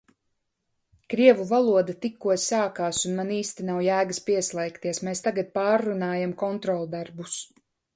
Krievu valodā tikko sākās un man īsti nav jēgas pieslēgties. Mēs tagad pārrunājam kontroldarbus.